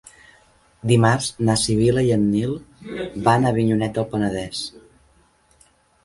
Dimarts na Sibil·la i en Nil van a Avinyonet del Penedès.